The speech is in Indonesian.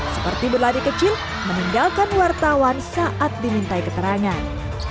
seperti berlari kecil meninggalkan wartawan saat dimintai keterangan